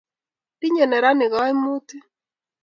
tinyei neranik kaimutik